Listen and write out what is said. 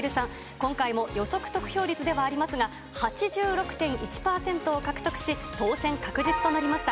今回も予測得票率ではありますが、８６．１％を獲得し、当選確実となりました。